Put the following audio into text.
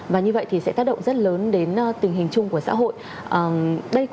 và như vậy thì sẽ tác động rất lớn đến tình hình chung của xã hội